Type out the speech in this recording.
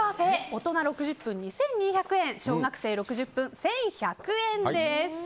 大人６０分２２００円小学生６０分１１００円です。